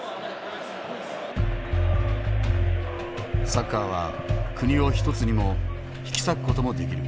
サッカーは国を一つにも引き裂く事もできる。